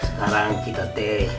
sekarang kita teh